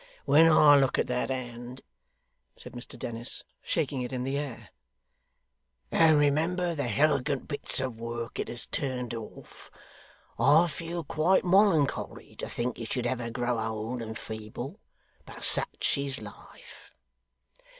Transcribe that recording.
When I look at that hand,' said Mr Dennis, shaking it in the air, 'and remember the helegant bits of work it has turned off, I feel quite molloncholy to think it should ever grow old and feeble. But sich is life!